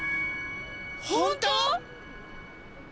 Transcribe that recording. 本当！？